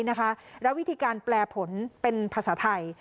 และวิธีการแปลผลเป็นภาษาไทย